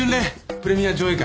プレミア上映会。